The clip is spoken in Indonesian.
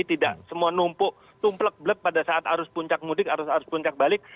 tidak semua numpuk tumplek blek pada saat arus puncak mudik arus arus puncak balik